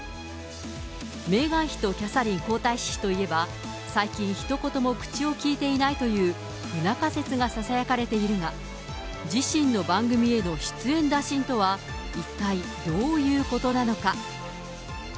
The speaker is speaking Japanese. メーガン妃とキャサリン皇太子妃といえば、最近、ひと言も口をきいていないという不仲説がささやかれているが、自身の番組への出演打診とは、一体どういうことなのか。